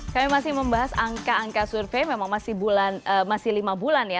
kami masih membahas angka angka survei memang masih lima bulan ya